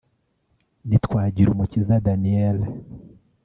ni Twagirumukiza Daniel